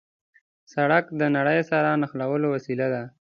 سړک د نړۍ سره د نښلولو وسیله ده.